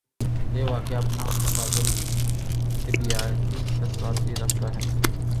یہ واقعہ اپنے ما بعدالطبیعاتی اثرات بھی رکھتا ہے۔